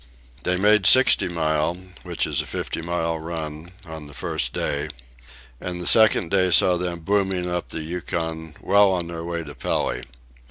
They made Sixty Mile, which is a fifty mile run, on the first day; and the second day saw them booming up the Yukon well on their way to Pelly.